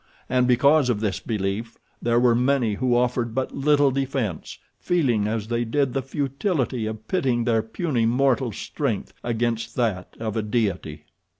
And because of this belief there were many who offered but little defense, feeling as they did the futility of pitting their puny mortal strength against that of a deity.